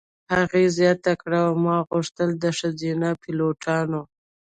هغې زیاته کړه: "او ما غوښتل د ښځینه پیلوټانو.